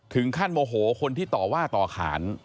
ถึงขั้นโหมโหคนที่ต่อว่าต่อขาน